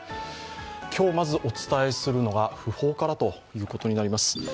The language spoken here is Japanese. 今日、お伝えするのが訃報からということになります。